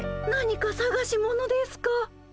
何かさがし物ですか？